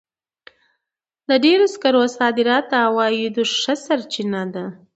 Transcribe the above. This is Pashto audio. د ډبرو سکرو صادرات د عوایدو ښه سرچینه ده.